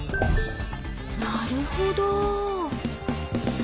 なるほど。